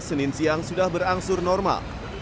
senin siang sudah berangsur normal